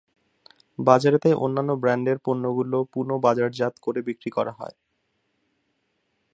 বাজারে তাই অন্যান্য ব্র্যান্ডের পণ্যগুলো পুনঃ বাজারজাত করে বিক্রি করা হয়।